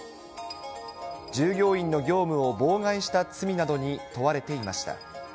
従業員の業務を妨害した罪などに問われていました。